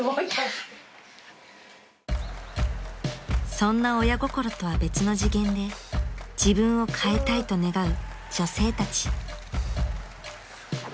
［そんな親心とは別の次元で自分を変えたいと願う女性たち］